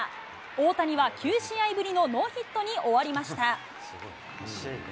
大谷は９試合ぶりのノーヒットに終わりました。